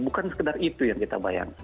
bukan sekedar itu yang kita bayangkan